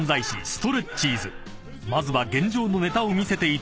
［まずは現状のネタを見せていただくことに］